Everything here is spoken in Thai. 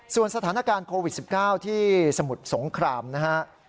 ส่วนสถานการณ์โควิด๑๙ที่สมุทรสงครามนะฮะ